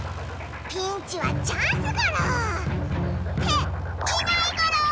ピンチはチャンスゴロ！っていないゴロ！